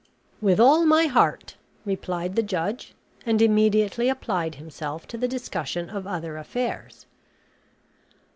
"With all my heart," replied the judge, and immediately applied himself to the discussion of other affairs.